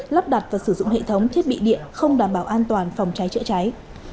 lắp đặt và sử dụng hệ thống thiết bị điện không đảm bảo an toàn phòng cháy chữa cháy